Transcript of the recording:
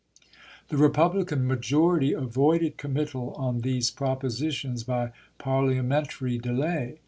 The Republican majority avoided committal on these propositions by parliamentary delay.